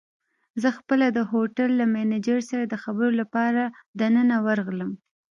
زه خپله د هوټل له مېنېجر سره د خبرو لپاره دننه ورغلم.